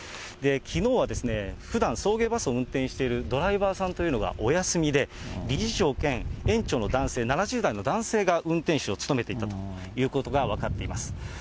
きのうは、ふだん送迎バスを運転しているドライバーさんというのがお休みで、理事長兼園長の男性、７０代の男性が運転手を務めていたということが分かっています。